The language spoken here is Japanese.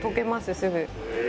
すぐ